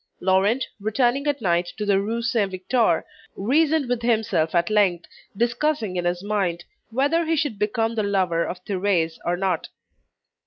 Laurent, returning at night to the Rue Saint Victor, reasoned with himself at length, discussing in his mind, whether he should become the lover of Thérèse, or not.